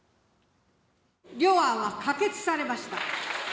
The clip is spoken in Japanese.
両案は可決されました。